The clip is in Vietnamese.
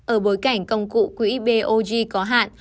ở bối cảnh công cụ quỹ bog có hạn